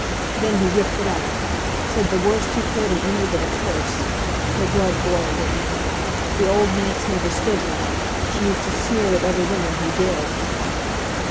Then he ripped it out. Said the worst he could and ended with a curse! The blood boiled in me. The old Nance never stood that; she used to sneer at other women who did.